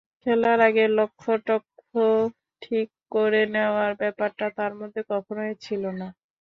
খেলার আগে লক্ষ্য-টক্ষ্য ঠিক করে নেওয়ার ব্যাপারটা তাঁর মধ্যে কখনোই ছিল না।